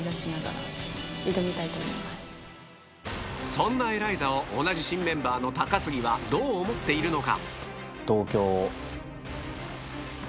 そんなエライザを同じ新メンバーの高杉はどう思っているのか？